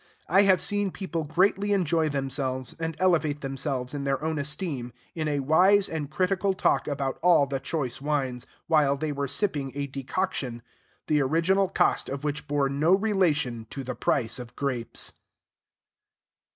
I have seen people greatly enjoy themselves, and elevate themselves in their own esteem, in a wise and critical talk about all the choice wines, while they were sipping a decoction, the original cost of which bore no relation to the price of grapes.